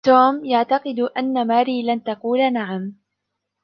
توم يعتقد أن ماري لن تقول نعم.